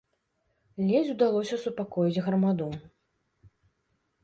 Ледзь удалося супакоіць грамаду.